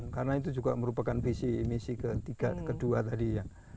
karena itu juga merupakan visi ke tiga ke dua tadi ya